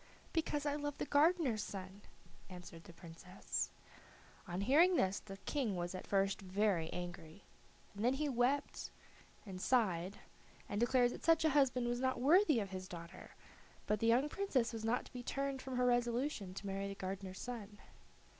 "Because I love the gardener's son," answered the Princess. On hearing this the King was at first very angry, and then he wept and sighed, and declared that such a husband was not worthy of his daughter; but the young Princess was not to be turned from her resolution to marry the gardener's son.